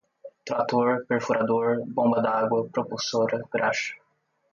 trator, perfurador, bomba d'água, propulsora, graxa